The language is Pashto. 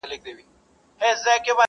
د رنځور لېوه ژړا یې اورېدله،